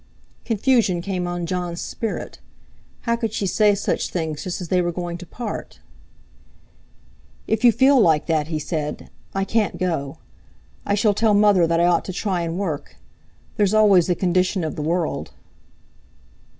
Confusion came on Jon's spirit. How could she say such things just as they were going to part? "If you feel like that," he said, "I can't go. I shall tell Mother that I ought to try and work. There's always the condition of the world!"